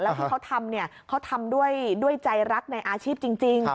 ที่เขาทำเนี่ยเขาทำด้วยใจรักในอาชีพจริง